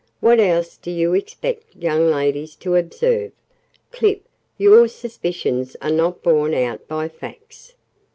What else do you expect young ladies to observe? Clip, your suspicions are not borne out by facts.